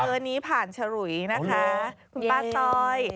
นี้ผ่านฉลุยนะคะคุณป้าซอย